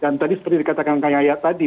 dan tadi seperti dikatakan kak yaya tadi